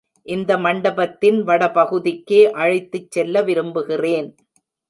இந்த மண்டபத்தின் வட பகுதிக்கே அழைத்துச் செல்ல விரும்புகிறேன்.